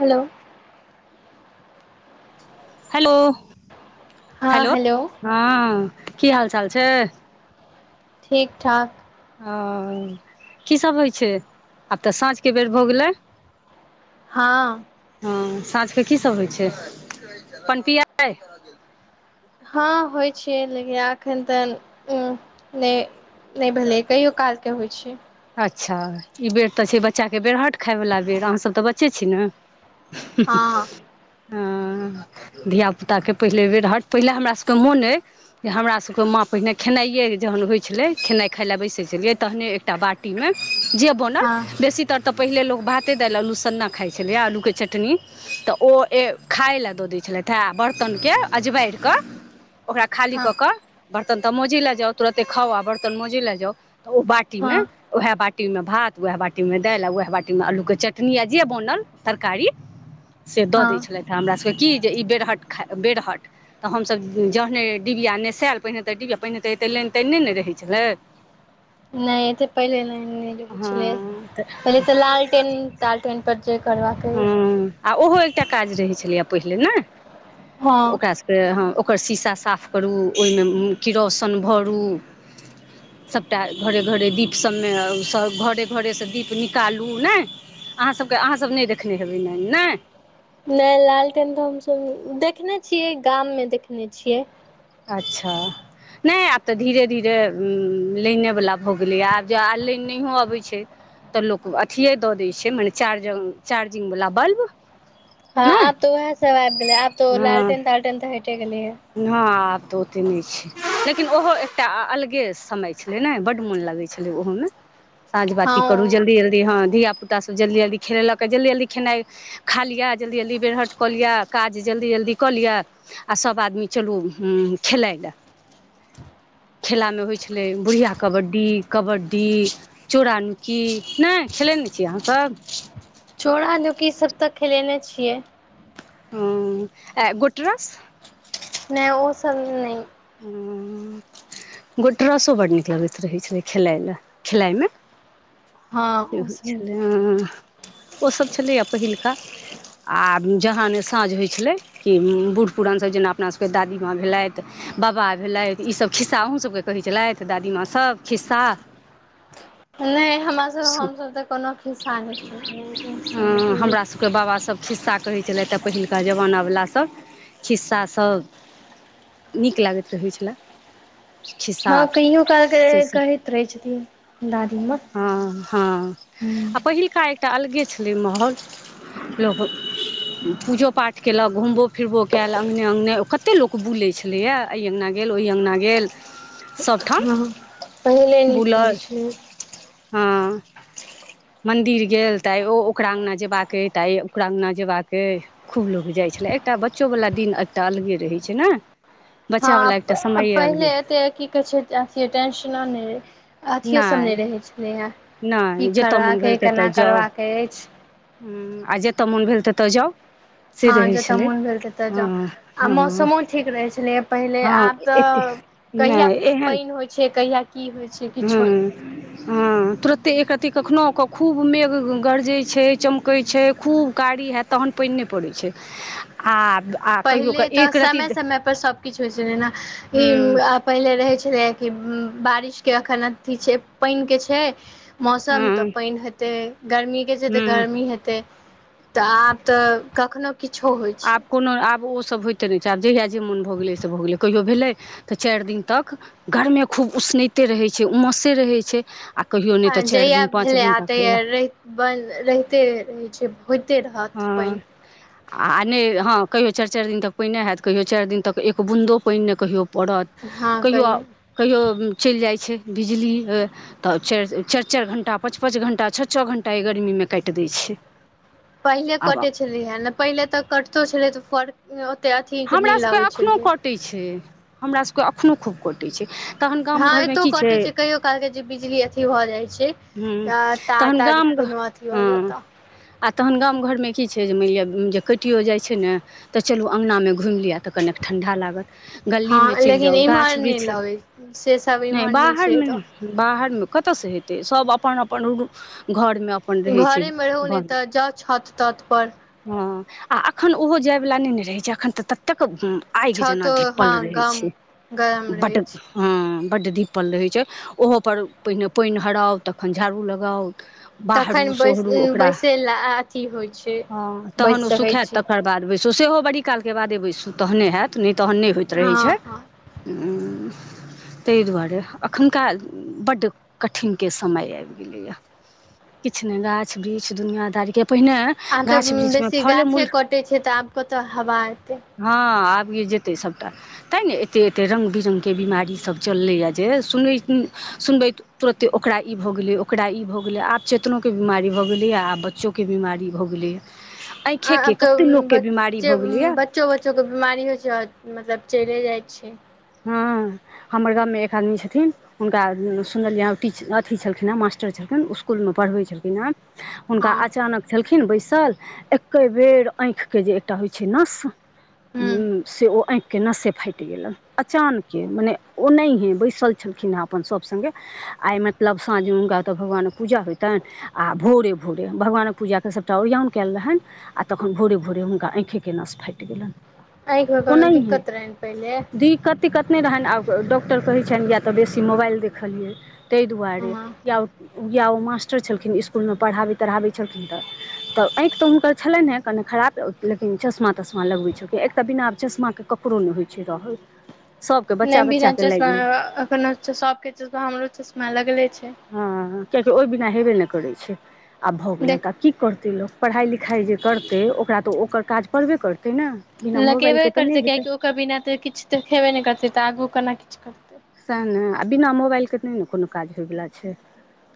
hello hello hello हँ की हाल चाल छै ठीक ठाक ओ की सब होइ छै आब तऽ साँझके बेर भऽ गेलै हाँ हँ साँझके की सब होइ छै पान पिय बेय हँ होइ छियै लेकिन एखन तऽ उ नइ नइ भेलइ कहियो कालके होइ छै अच्छा ई बेर तऽ छै बच्चाके बेरहट खायवाला बेर अहाँसभ तऽ बच्चे छी न हूँ हँ हू [inaudible] धियापुताके पहिले बेरहट पहिले हमरा सबके मोन अइ जे हमरा सबके माँ पहिने खेनाइए जहन होइ छलइ खेनाइ खाइ ला बैस छलियै तहने एकेटा बाटी मै जे बनल हँ बेसी तर तऽ पहिले लो भाते दाल आलू सन्ना खाय छलया आलू के चटनी तऽ ओ ए खाय ले द दे छै छलथि हेँ बरतनके अजबाइर कऽ ओकरा खाली हँ कऽ क बर्तन तऽ मोजे लए जाउ तुरते खाउ आ बर्त मोजे ल जाउ तऽ ओ बाटी हँ मे वएह बाटी मे भात वएह बाटी मे दालि वएह बाटी मे आलू के चो चटनी य जे बनल तरकारी से द दै हँ छलथि ह हमरा सब की जे ई डेरहट खाये बेरहट तऽ हमसभ जहने डिबिया नेसेल पहिने तऽ डिबियाहि पहिने त तै लाइन तने ने रहै छलै नए ते पहिल नइ नहि रहै छले हँ तऽ पहिले तऽ लालटेन टालटेन पर जे करवाके हँ आ ओहो एकटा काज रहै छलैय पहिले ना हँ ओकरा सबके हँ अक ओकर शीशा साफ करू ओहिमे किरौशन भरू सभटा घरे घरे दीप सभमे सभ घरे घरेसँ दीप निकालू नय अहाँसभके अहाँसभ नहि देखने हेबै नइ नइ नए लालटन तऽ हमसभ देखने छियै गाममे देखने छियै अच्छह नहि आब तऽ धीरे धीरे लाइनेवला भऽ गेलैए आब जो आब लाइन नहिओ अबै छै तऽ लोक अथिए दऽ दै छै मने चार्ज चार्जिंगवला बल्ब हँ नहि आब तऽ उएह सब आबि गेलै आब तऽ हँ लालटेन तालटेन तऽ हटे गेले य ओते नहि छै लेकिन ओहो एकटा अलगे समय छलै ने बड्ड मोन लगै छलै ओहोमे साँझ हँ बाती करू जल्दी जल्दी ह धिया पुताब जल्दी जल्दी खेले लक जल्दी जल्दी खेनाइ खा लिअ जल्दी जल्दी बेरहट क लिअ काज जे जल्दी जल्दी कऽ लिअ आ सब आदमी चलू खेलाई ल [inaudible] खेला में होइ छले बुढ़िया कबड्डी कबड्डी चोरा नुकी नय खेले ने नय छी अहाँ सब चोड़ा नुकी सब तऽ खेलेने छियै ह एअ गोटरस नै ओ सब नय हाँ गोट्रसो बड नीक लगैत रहै छलै खेलाय ल खेलाइमे हँ से ओ होइ सब छलै हअ ओ सब छलैया पहिलका आ जहान साँझ होइ छलै कि बूढ़ पु पुरान सब जेना अपना सबके दादीमाँ भेलाइथ बाबा भेलाइथ ई सब खिस सा आहुँ सबके कहै छलाइथ दादीमाँ सभ खिस्सा नइ हमरा सभ हमसब तऽ कोनो खिस्सा नय सुने सुनलिये हमरासभके बाबासभ खिस्सा कहै छलइथ तऽ पहिलका जमाना वला सभ खिस्सा सभ नीक लागैत रहै छलाह हँ कहियो काल के कहैत रहै छथिन दादी हँ हँ आ पहिलका एकटा अलगे छलै माहाँल लोक पूजो पाठ कयलक घुमबो फिरबो कयलक अंगने अंगने कते लोक बु छलैए एहि अगना गेल ओहि अङ्गना गेल सभठम हँ पहिले नीक रहय छले अ [inaudible] मंदिर गेल ता ओ ओकरा अंगना जेबाक ऐ ता ओकरा अंगना जेयबाक खूब लोग जाइ छलै एकटा बच्चो वला दिन एकटा अलगे रहै छै ने हँ बच्चावला एकटा समये पहिले अलगे एते की कहै छै अते टेंशनो नै रहे अथिओसभ नहि रहै छलैए की नहि जतय करबाक अइ केना करबाक अछि ह आ जतय मोन भेल तेतअ जाउ से हँ रहै जतय छलै मोन भेल ततय हँ जाउ आ हँ मौसमो ठीक रहै छलैए पहिले हँ आब ए तऽ नहि कहिया एहन पानि होइ छै कहिया की होइ छै हु किछो नहि हँ तुरते एकरत्ती कखनो के खूब मेघ गरजे छै चमकै छै खूब कारी हयत तहन पा पाइन नै पड़ै छै आ आ कहियो कऽ पहिले तऽ एक रति समय समय पर सभकिछु होइत छलै ने हूँ ई पहिले रहै छलै कि बारिशके एखन अथी छै पानिके छै मौसम तऽ हूँ पइन हेतै गर्मीके छै तऽ हूँ गर्मी हेतै तऽ आब तऽ कखनो किछो होइ आब छै कोनो आब ओ उ सब होइते नय छै आब जहिया जे मोन भऽ गेलै से भऽ गेलै कहियो भेलै तऽ चाइर दिन तक गरमे खूब उ उसनैते रहै छै उमसे रहै छै आ कहियो नहि आ तऽ चारि जहिया दिन पाँच भेले दिन आ तक तहिय रै बन रहिते रहे छै होते हाथ पै हँ आ नहि हँ कहियो चारि चारि दिन तक पानि हैत कहियो चारि दिन तक एक बून्दो पानि नहि कहियो पड़त हँ कहियो कहियौ कहियो चलि जाइ छै बिजली तऽ चारि चारि चारि घण्टा पाँच पाँच घण्टा छ छ घण्टा ई गरमीमे काटि दै छै पहिने आब कटे छलिय ने पहिले तऽ कटितो छलै तऽ फ हमरासभके एखनो कटैत छै हमरासभके एखनो खूब कटैत छै तखन गाम हँ घरमे एतो की कटे छै कहियो काल के जे बिजली अथी भऽ जाइ छै ह तार तहन तार गाम घर कोनो अथी हो हँ जायत आ तहन गाम घर की छै जे मएन लिएये कटियो जाइ छै ने तऽ चलू अंगना मे घुमि लिअ तऽ कने ठंडा लागत हँ गलीमे चलि लेकिन जाउ इम्हर गाछ नहि वृक्ष लगै से सब नहि इम्हर छै तऽ बाहरमे कतऽसँ हेतै सब अपन अपन घर अपन रहै छै घरेमे रहू ब नहि तऽ जाउ छत तत पर हँ आ एखन ओहो जायवला नै ने रहैत छै एखन तऽ ततेक आगि जेना छतो हँ धिप्पल रहय गम छै गरम बट रहै छै हँ बड्ड धिप्पल रहै छै ओहोपर पहिने पानि हराउ तखन झाड़ू लगाउ बाहरू तखन बैस सोहरू ओकरा बैसै लए अथी होइ छै हँ तहन ओ बैस सकै सुखायत छी तकर बैसु सो सेहो बड़ीक कालके बादे बैसू तहने होयैत नहि तहन नहि होइत रहै हँ छै हँ हुँ तय दुआरे अखुनका बड्ड कठिन के समय आबि गेले या किछु ने गाछ वृक्ष दुनियांदारी के पहिने आब तऽ गाछ वृक्ष मे बेसी फले गाछे मूल कटै छै तऽ आब कतऽ हवा एतै हँ मर जेतै सभटा तैँ ने एतेक एतेक रङ्ग बिरङ्गके बीमारी सब चललैय जे सुनै सुनबै तुरते ओकरा ई भऽ गेलै ओकरा ई भऽ गेलै आब चेतनोके बीमारी भऽ गेलैएा आब बच्चोके बीमारी भऽ गेलैए आ आँखिएके अब त कतेक लोकके बिमारी बच्चे भऽ गेलैए बच्चो बच्चो के बीमारी होइ छै मतलब चले जाइ छियै हँ [inaudible] हमर गामवमे एक आदमी छथिन हुनका सुनलियै टीच अथी छलखिन हेँ मास्टर छलखिन इस्कुलमे पढ़बै छलखिन हे हुनका हँ अचानक छलखिन बैसल एके बेर आँखि के जे एकटा होइ छै नस हुँ हूँ से ओ आँख के नसे फाटि गेलनि अचानकें मने ओनाहिं बैस छलखिन हँ अपन सभ संगे आइ मतलब साँझ हँ त भगवान कें पुजा होयतन आ भोरे भोरे भगवान कें पुजा कें सबटा अरियान कैल रहनि आ तखन भोरे भोरे हुनका आँखिके नश फाटि गेलनि आँखि मे कोनो ओनाहिये दिक्कत रहैन पहिले दिक्कत नहि रहनि आब डॉक्टर कहैत छनि या तऽ बेसी मोबाइल देखलियै तै दुआरे हँ या या ओ मास्टर छलखिन स्कुलमे पढ़ाबैत तढ़ाबै छलखिन तऽ तऽ आँखि तऽ हुनकर छलनि हे कनि खराब लेकिन चश्मा तश्मा लगबै छ एक तऽ बिनाब चश्माके कपड़ो नहि होइ छै रहल सभके नहि बच्चा बिना बच्चाके लागि चश्मा गेलै एखनो सभके चश्मा हमरो चश्मा लगले छै कियाकि ओहि बिना हेबे नहि करै छै आब भऽ गेललेय देख तऽ आब की करु लोक पढ़ाइ लिखाइ जे करतै ओकरा तऽ ओकर काज करबे करतै ने बिना लगेबे मोबाइलके तऽ नहि करतै हेतै कियकि ओकर बिना तऽ किछु देखेबे नहि करतै तऽ आगू केना किछु करतै सएह ने आ बिना मोबाइलके नहि ने कोनो काज होयवला छै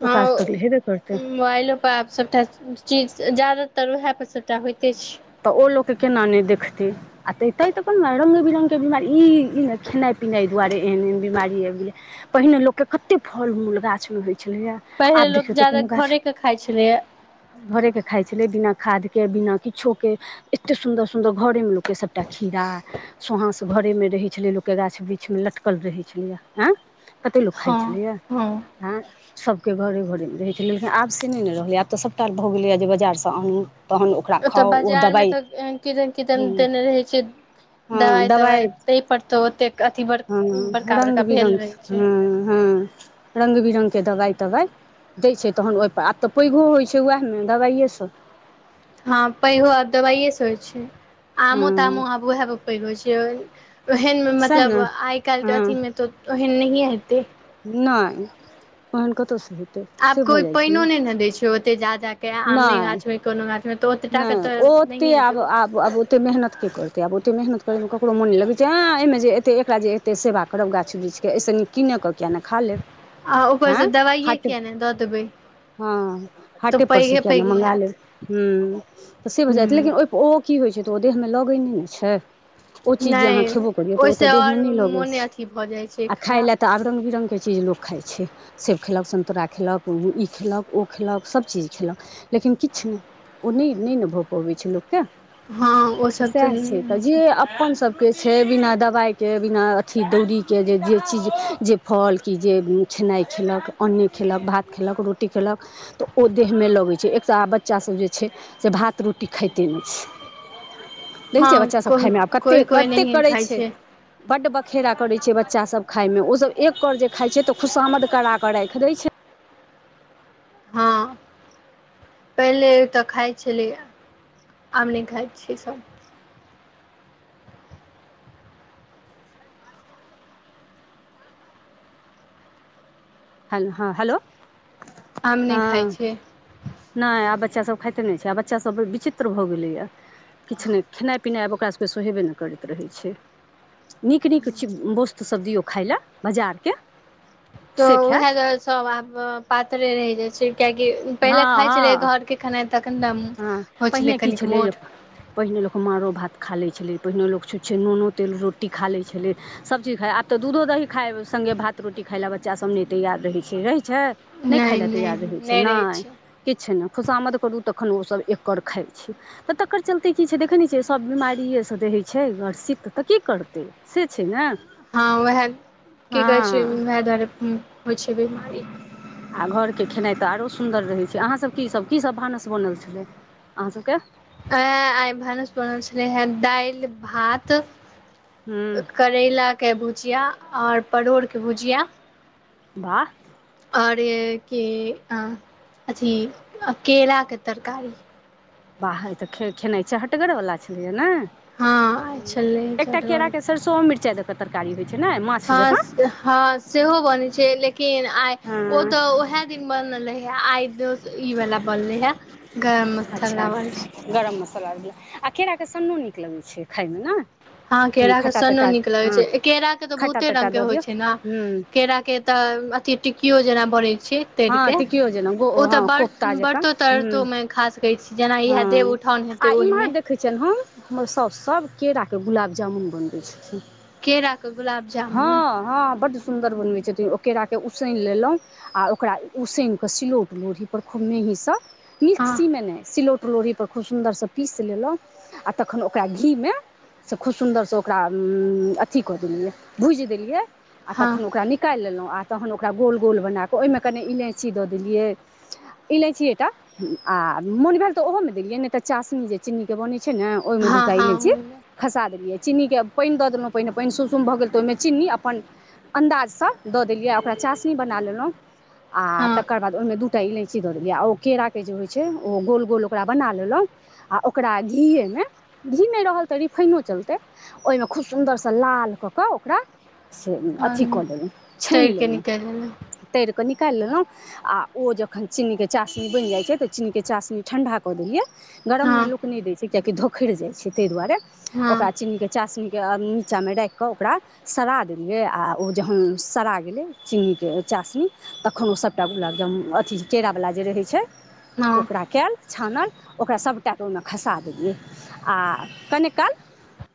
ओ काज हँ तऽ हेबे करतै मोबाइलो पर आब सभटा चीज जादा तऽ वएह पर सभटा होइते छै तऽ ओ लोकके केना नहि देखतै आ तेते तऽ कोन रंग बिरंग के बिमार ई ई नहि खेनाइ पीना दुआरे एहन एहन बीमारी आबि गेले पहिने लोक के कते फल मूल गाछ मे होय पहिले आब लोक देखियौ तऽ ज्यादा कोनो गाछ घरेके खाइ छलैए घरे के खाइ छलै बिना खाद के बिना किछ एते सुंन्दर सुंदर घरे मे लोक सबटा खीरा सोहास घरे मे रहे छले लोक कें गाछ वृक्ष मे लटकल रहै छलियए ऐं कते लोको खाइ हँ छलियए हँ सबके घरे घरे मे रहै छै लेकिन आब से नहि ने रहल आब तऽ सबटा भऽ गेलै यै जे बाजार से आनू तहन ओकरा तऽ खाउ ओ बाजार मे दबाइ तऽ किदेन किदेन हँ देने रहै छै हँ दवाय दबाइ तवाइ तै पड़तौ ओतेक अथी बड़ हँ बड़का रंग बड़का भेल बिरङ्ग रहै छै हँ हँ रंग बिरङ्गके दवाय तबाइ दै छै तहन ओहिपर आब तऽ पैघो होइत छै उएहमे दबाइएसँ दबाइएसँ होइ छै आमो हँ तामो आब ओहा रुपे होइ छै ओहन सएह ने मतलब आइ काल्हिके हँ अथीमे तऽ ओहन नहिए हेतै नहि ओहन कतऽ से हेतै आब से भऽ कोइ जाइ छै पानि ओ ने नहि न दै छै ओते जा जा नहि नहि तऽ ओ ओते नहिए आब हेतै आब आब ओते मेहनत की करतै आब ओते मेह मेहनत करब ककरो मोन नहि लगै छै आँ एहि जे एतेक एकरा जे एतेक सेवा करब गा वृक्षके एहि से नीक किने कऽ किया नहि खा लेब आ हँ ऊपरसँ दवाइए हट किया नहि दऽ देबै हँ तऽ हट पर से पैघे किया नहि पैघ मंगा लेब हैत ह तऽ से भऽ हूँ जायत लेकिन ओहि ओहो की होइ छै त ओ देहमे लगैने ने छै ओ चीज जे अहाँ नहि खेबो करियौ तऽ ओ ओहिसँ तऽ देह मे आओर नहि लगैत मोने छै अथी भऽ जाइ छै आ खाय खराब ले तऽ आब रंग बिरंग के चीज चीज लोक खाइ छै सेब खेलक सन्तरा खेलक ई खेलक ओ खेलक सबचीज खेलहु लेकिन किछु नहि ओ नहि नहि ने भऽ पबै छै लोकके हँ तऽ ओसभ सएह छै नहि तऽ होइ जे अपन सब के छै बिना दबाइके बिना अथी दौरीके जे जे चीज जे फल कि जे छै खेनाइ खेलक अन्ने खेलक भात खेलक रोटी खेलक तऽ ओ देहमे लगै छै एक तऽ आ बच्चासभ जे छै से भात रोटी खाइते नहि छै देखै छियै हँ बच्चा सब खाय मे आब कते कोइ कोइ कते नहिए करै खाइ छै बड बद खेरा करै छै बच्चासभ खायमे ओसभ एक कौर जे खाइत छै तऽ खुशामद करा कऽ राखि दै छै हँ पहिले तऽ खाइ छलै आब नहि खाइ छियै सभ हेल ह हेलो आम नहि हँ खाइ छियै नहि आब बच्चा सब खाते नहि छै आब बच्चा सब विचित्र भए गेले या किछु नहि खेनाइ पिनायब ओकरा सभके सोहेबे नहि करैत रहय छै नीक नीक च वस्तुसभ दियौ खाय लेल बाजारके तऽ उएह दूआरे सब आब पातरे रहि जाइ छै कियाकि हँ पहिले खाइत हँ छलै घरके खेनाइ तखन ने हँ होइ पहिने की कनिक छलै जे मोट पहिने लोक मारो भात खा लै छलै पहिने लोक छूछै नूनो तेल रोटी खा लै छलै सब चीज खाइ आब त अ दूध दही खाइ मे गे भात रोटी खाय ला बच्चा सब नइ तैयार रहै छै छै नहि खाय लै तैयार रहै छै नहि किछ नहि खुशामद करू तऽ तखन ओसभ एककर खाइ छै तऽ तकर चलते की छै देखै नहि छियै सब बीमारीये सँ रहय छै तऽ तऽ की करतै से छै ने हँ उएह की कहै छै हँ उएह दुआरे होइ छै बीमारी आ घर के खेनाई तऽ आरो सुन्दर रहय छै अहाँ सब के की सब भानस बनल छलै अहाँ सबके अ आइ भानस बनल छलैहे दइल भात हूँ करैलाके भुजिया ओर परोड़के भुजिया वाह आओर केला अथि आ केला के तरकारी बाहर तऽ खे खेनाइ चहटगर वला छलैया ने हँ छलै एकटा केरा चटगर के सरसो मिरचाई द कऽ तरकारी होइ छै ने माछ हँ जकाँ हँ सेहो बने छै लेकिन आइ ओ हँ तऽ उएहे दिन बनल रहय आइ दोस ई वला बनलइ ह गरम मसाल अच्छा गरम मसाला आ केराके सन्नो नीक लगै छै खाइमे ने हँ ओहिमे केरा के खट्टा सन्नो तट्टा नीक लगे हँ छै केरा के तऽ खट्टा बहुते तट्टा रंग के दऽ होइ दियौ छै ने हूँ केरा के तऽ अथि टिकियो जेना बड़े छि तर हँ के टिकियो जेना गो ओ तऽ हँ बरत कोफ्ता जकाँ बरतो हूँ तरतो मे खा सकै छी जेना इएह देव हँ उठान हेतै आ इम्हर ओहिमे देखैत छियनि हम हमर साउसु सभ केरा के के गुलाब जामुन बनबै छथिन केरा के गुलाब जामुन हँ हँ बड सुन्दर बनबै छतिन ओ केरा के के उसनि लेलहुँ आओ ओकरा उसनि कऽ सिलौट लोढ़ीपर खूब मेहीसँ हँ मीक्सीमे नहि सिलौटिलौढ़ी पर खूब सुन्दरसँ पीसि लेलहुँ आ तखन ओकरा घीमे से खूब सुन्दरसँ ओकरा अथी कऽ देलियै भुजि देलियै आ तखन हँ ओकरा निकालि लेलहुँ आ तहन ओकरा गोल गोल बना कऽ ओहिमे कनि इल चि दऽ देलियै इलायची एकटा आ मोन भेल तऽ ओहो मे देलियै नहि तऽ चाशनी जे चीनी के बने छै ने ओहि मे दूटा इलेची हँ खसा देलियै चीनीके पानि दऽ देलहुँ पहिने पानि सुसुम भऽ गेल तऽ ओहिमे चीन्नी अपन अन्दाजसँ दऽ देलियै ओकरा चाशनी बना लेलहुँ आ हँ तकर बाद ओहिमें दू टा इलायची दऽ देलियै आ ओ केररा के जे होइ छै ओ गोल गोल ओकरा बना लेलहुँ आ ओकरा घीएमे घी नहि रहल तऽ रिफाइनो चलतै ओहिमे खूब सुन्दरसँ लाल कऽ कऽ ओकरा से अथी हँ कऽ देलहुँ तैर छानि के लेलहुँ निकैल एलै तर केऽ निकालि लेलहुँ आओर ओ जखन चीनीके चाशनी बनि जाइ छै तऽ चीनीके चाशनी ठण्डा कऽ देलियै गरममे हँ लोक नहि दै छै कियकि धोखरि जाइ छै ताहि दुआरे ओक हँ चीनीके चासनी नीचा मे राखके ओकरा सरा देलिय आ ओ जहन सरा गेल ची चासनी तखन ओ सबटा गुलाबजामुन अथी केरावला जे रहै छै हँ ओकरा कयल छानल ओकरा सभटाके ओहिमे खसा देलियै आ कनि काल